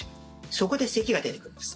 そこで、せきが出てくるんです。